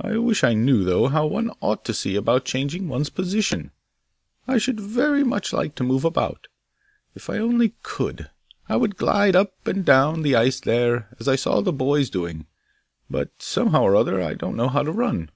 I wish I knew, though, how one ought to see about changing one's position. I should very much like to move about. If I only could, I would glide up and down the ice there, as I saw the boys doing; but somehow or other, I don't know how to run.